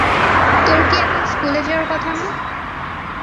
তোর কি এখন স্কুলে যাওয়ার কথা নয়?